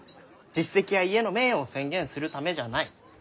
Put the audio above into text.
実績や家の名誉を宣言するためじゃない。